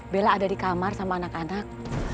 bella ada di kamar sama anak anak